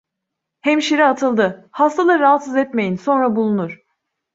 Hemşire atıldı: "Hastaları rahatsız etmeyin, sonra bulunur!".